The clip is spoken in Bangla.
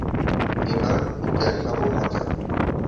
এবার দেখাবো মজা।